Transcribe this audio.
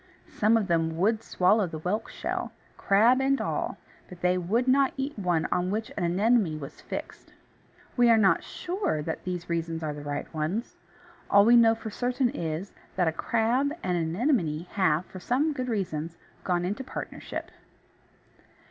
Some of them would swallow the whelk shell, crab and all, but they would not eat one on which an Anemone was fixed. We are not sure that these reasons are the right ones. All we know for certain is, that a crab and an Anemone have, for some good reasons, gone into partnership.